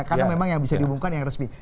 karena memang yang bisa diumumkan yang resmi